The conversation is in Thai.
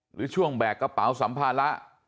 หรือช่วงแบกกระเป๋าสัมภาระ